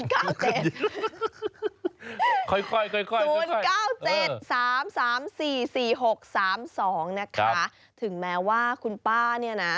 ค่อย๐๙๗๓๓๔๔๖๓๒นะคะถึงแม้ว่าคุณป้าเนี่ยนะ